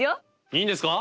いいんですか？